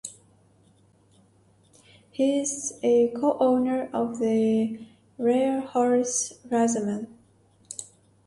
He is a co-owner of the racehorse Rasaman.